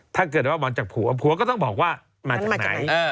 ถ้าเกิดว่าบอลจากผัวผัวก็ต้องบอกว่ามาจากไหน